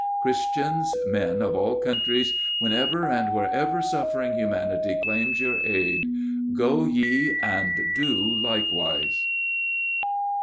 Christians, men of all countries, whenever and wherever suffering humanity claims your aid "Go ye and do likewise!"